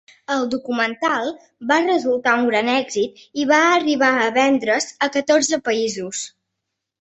El documental va resultar un gran èxit i va arribar a vendre's a catorze països.